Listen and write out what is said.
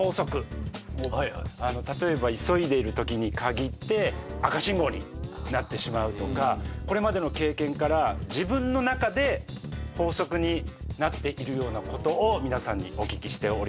例えば急いでるときにかぎって赤信号になってしまうとかこれまでの経験から自分の中で法則になっているようなことを皆さんにお聞きしておりますので。